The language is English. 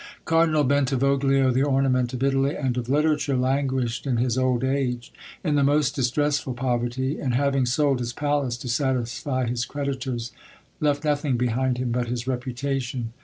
Cardinal Bentivoglio, the ornament of Italy and of literature, languished, in his old age, in the most distressful poverty; and having sold his palace to satisfy his creditors, left nothing behind him but his reputation.